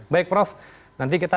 baik prof nanti kita